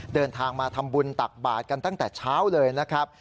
เดินทางมาทำบุญตักบาทกันตั้งแต่เช้าเลยนะครับ